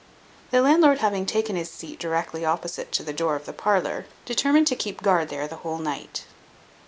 The landlord having taken his seat directly opposite to the door of the parlour, determined to keep guard there the whole night.